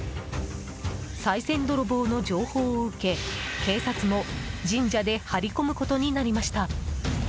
さい銭泥棒の情報を受け警察も神社で張り込むことになりました。